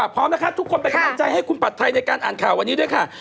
พร้อมนะคะทุกคนเป็นกำลังใจให้คุณผัดไทยในการอ่านข่าววันนี้ด้วยค่ะ